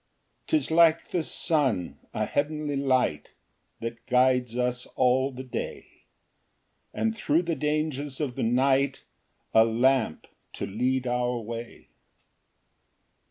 Ver. 105. 3 'Tis like the sun, a heavenly light, That guides us all the day; And thro' the dangers of the night, A lamp to lead our way.